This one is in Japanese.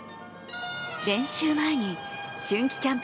練習前に春季キャンプ